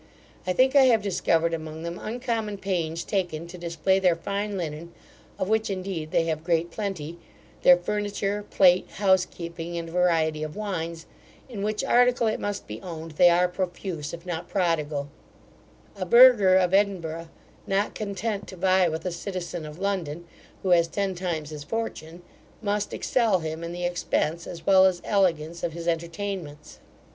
I think I have discovered among them uncommon pains taken to display their fine linen, of which, indeed, they have great plenty, their furniture, plate, housekeeping, and variety of wines, in which article, it must be owned, they are profuse, if not prodigal A burgher of Edinburgh, not content to vie with a citizen of London, who has ten times his fortune, must excel him in the expence as well as elegance of his entertainments.